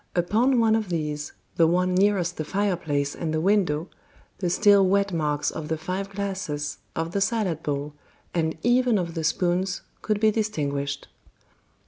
Upon one of these, the one nearest the fireplace and the window, the still wet marks of the five glasses, of the salad bowl, and even of the spoons could be distinguished.